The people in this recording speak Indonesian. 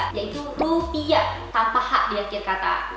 yaitu rupiah tanpa hak di akhir kata